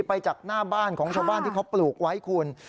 ไปจากหน้าบ้านของชาวบ้านที่เขาปลูกไว้คุณ